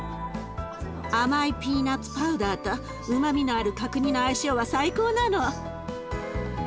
甘いピーナツパウダーとうまみのある角煮の相性は最高なの。